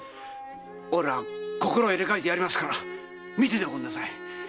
おいら心を入れ代えてやりますから見てておくんなさい。